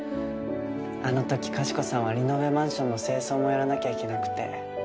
あの時かしこさんはリノベマンションの清掃もやらなきゃいけなくて。